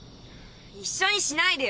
一緒にしないでよ。